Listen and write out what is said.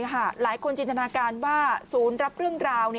หลายคนจินตนาการว่าศูนย์รับเรื่องราว